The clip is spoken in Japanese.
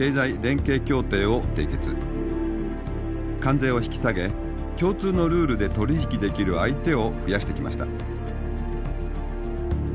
関税を引き下げ共通のルールで取り引きできる相手を増やしてきました。